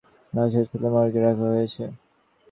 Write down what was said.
বাবুল মিয়া জানান, তোরাব আলীর লাশ হাসপাতালের মর্গে রাখা হয়েছে।